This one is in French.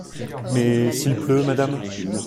Mais… s’il pleut, madame ?